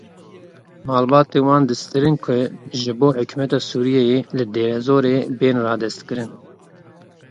Malbatên wan distirin ku ji bo hikûmeta Sûriyeyê li Dêrezorê bên radestkirin.